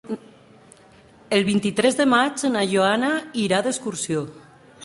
El vint-i-tres de maig na Joana irà d'excursió.